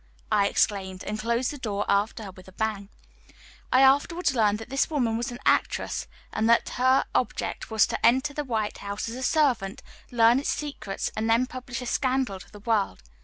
I exclaimed, and closed the door after her with a bang. I afterwards learned that this woman was an actress, and that her object was to enter the White House as a servant, learn its secrets, and then publish a scandal to the world.